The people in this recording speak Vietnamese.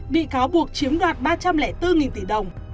bị cáo buộc chiếm đoạt ba trăm linh bốn tỷ đồng